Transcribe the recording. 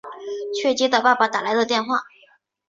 却接到爸爸打来的电话